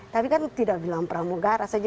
tapi kan tidak bilang pramugara saja